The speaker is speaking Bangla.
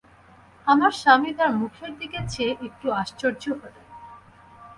আমার স্বামী তার মুখের দিকে চেয়ে একটু আশ্চর্য হলেন।